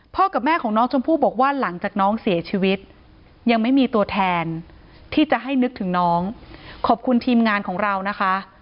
กับแม่ของน้องชมพู่บอกว่าหลังจากน้องเสียชีวิตยังไม่มีตัวแทนที่จะให้นึกถึงน้องขอบคุณทีมงานของเรานะคะ